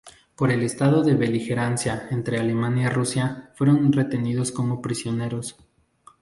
Por el estado de beligerancia entre Alemania y Rusia, fueron retenidos como prisioneros.